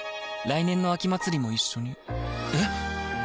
来年の秋祭も一緒にえ